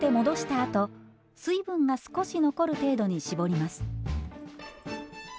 あと水分が少し残る程度に絞ります。